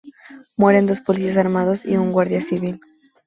Mueren dos policías armados y un guardia civil.